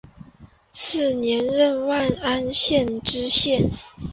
次年任万安县知县。